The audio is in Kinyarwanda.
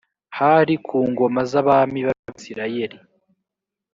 hari ku ngoma z’abami b’abisirayeli